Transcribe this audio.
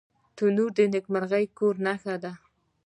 تنور د نیکمرغه کور نښه ده